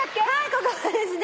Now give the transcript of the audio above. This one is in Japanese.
ここはですね